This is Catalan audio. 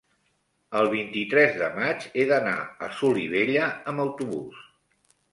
el vint-i-tres de maig he d'anar a Solivella amb autobús.